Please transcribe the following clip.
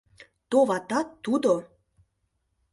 Товатат, тудо!